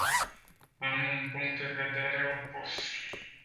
Am un punct de vedere opus.